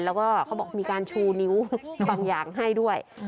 แล้วก็เขาบอกมีการชูนิ้วบางอย่างให้ด้วย